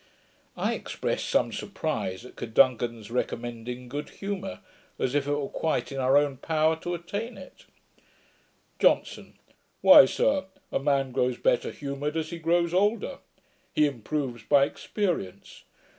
I expressed some surprize at Cadogan's recommending good humour, as if it were quite in our power to attain it. JOHNSON. 'Why, sir, a man grows better humoured as he grows older. He improves by experience.